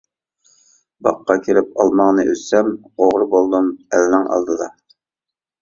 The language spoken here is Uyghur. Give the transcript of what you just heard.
باغقا كىرىپ ئالماڭنى ئۈزسەم، ئوغرى بولدۇم ئەلنىڭ ئالدىدا.